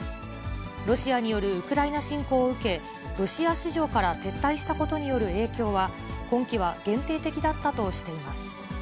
ロシアによるウクライナ侵攻を受け、ロシア市場から撤退したことによる影響は、今期は限定的だったとしています。